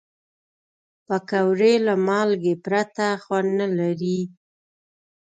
پکورې له مالګې پرته خوند نه لري